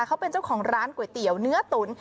เขาเป็นเจ้าของร้านก๋วยเตี๋ยวเนื้อตุ๋น